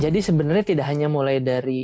jadi sebenarnya tidak hanya mulai dari